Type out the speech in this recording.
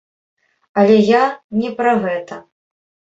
Але я не пра гэта.